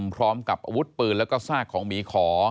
พร้อมกับอาวุธปืนแล้วก็ซากของหมีขอ